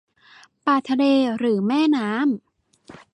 ปลาทะเลหรือแม่น้ำ ?